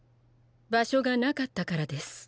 場所がなかったからです。